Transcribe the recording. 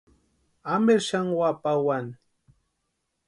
Amperi xani úa pawani.